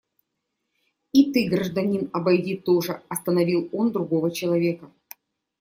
И ты, гражданин, обойди тоже, – остановил он другого человека.